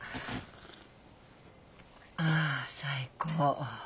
ああ最高。